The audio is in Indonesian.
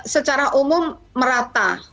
secara umum merata